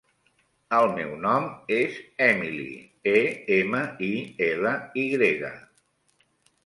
El meu nom és Emily: e, ema, i, ela, i grega.